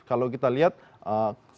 kalau kita lihat seperti tahun lalu